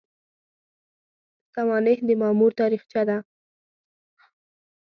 سوانح د مامور تاریخچه ده